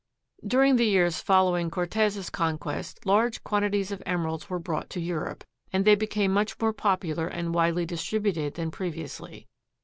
During the years following Cortez' conquest large quantities of emeralds were brought to Europe, and they became much more popular and widely distributed than previously.